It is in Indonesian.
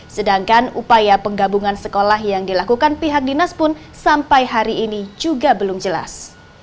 sedangkan upaya penggabungan sekolah yang dilakukan pihak dinas pun sampai hari ini juga belum jelas